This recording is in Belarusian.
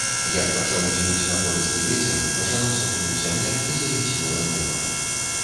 А як пачаў дзьмуць напорысты вецер, пачала сохнуць зямля і заяснела неба.